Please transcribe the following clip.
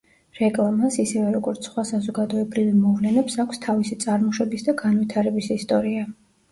რეკლამას, ისევე როგორც სხვა საზოგადოებრივი მოვლენებს აქვს თავისი წარმოშობის და განვითარების ისტორია.